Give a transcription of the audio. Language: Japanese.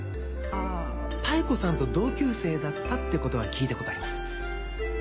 あぁ妙子さんと同級生だったってことは聞いたことあります。